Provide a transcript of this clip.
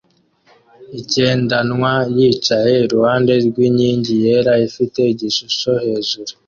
igendanwa yicaye iruhande rwinkingi yera ifite igishusho hejuru